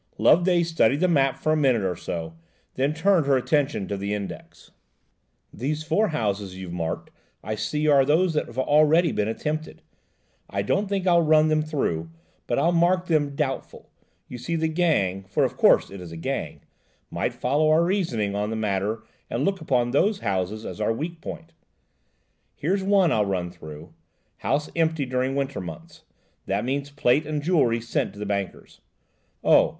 Loveday studied the map for a minute or so, then turned her attention to the index. "Those four houses you've marked, I see, are those that have been already attempted. I don't think I'll run them through, but I'll mark them 'doubtful;' you see the gang–for, of course, it is a gang–might follow our reasoning on the matter, and look upon those houses as our weak point. Here's one I'll run through, 'house empty during winter months,' that means plate and jewellery sent to the bankers. Oh!